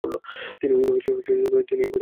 তিনি এই পদে যোগ দেন ।